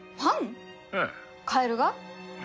カエルが？